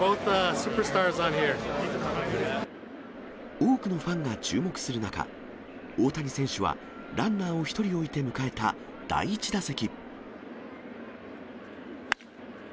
多くのファンが注目する中、大谷選手はランナーを１人置いて迎えた第１打席。